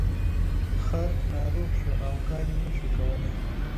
خر ناروغ شو او کار یې نشو کولی.